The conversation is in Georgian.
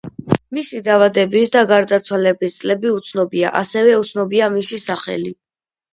მისი დაბადების და გარდაცვალების წლები უცნობია, ასევე უცნობია მისი სახელი.